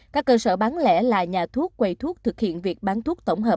các cơ sở bán lẻ là nhà thuốc quầy thuốc thực hiện việc bán thuốc tổng hợp